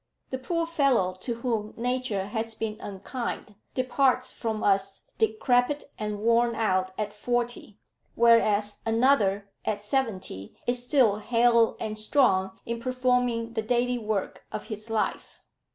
The poor fellow to whom nature has been unkind, departs from us decrepit and worn out at forty; whereas another at seventy is still hale and strong in performing the daily work of his life."